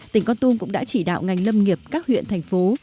tỉnh con tum cũng đã chỉ đạo ngành lâm nghiệp các huyện thành phố